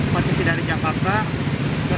posisi dari jakarta